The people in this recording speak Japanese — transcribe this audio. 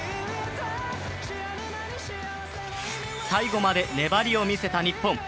最後まで粘りを見せた日本。